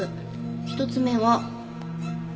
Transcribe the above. １つ目は。